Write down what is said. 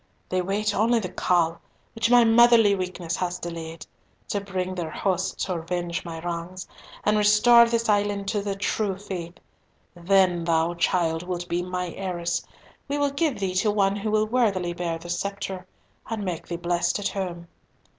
They wait only the call, which my motherly weakness has delayed, to bring their hosts to avenge my wrongs, and restore this island to the true faith. Then thou, child, wilt be my heiress. We will give thee to one who will worthily bear the sceptre, and make thee blessed at home.